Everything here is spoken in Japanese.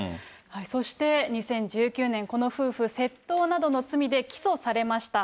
そして２０１９年、この夫婦、窃盗などの罪で起訴されました。